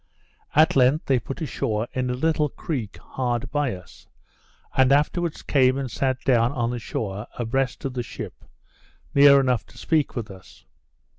At length they put ashore in a little creek hard by us; and afterwards came and sat down on the shore a breast of the ship, near enough to speak with us.